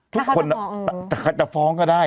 ทุกคนจะฟ้องก็ได้